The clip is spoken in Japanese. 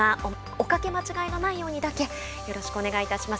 おかけ間違いのないようにだけよろしくお願いします。